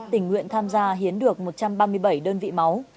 tình nguyện tham gia hiến được một trăm tám mươi năm đơn vị máu